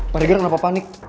pak rega kenapa panik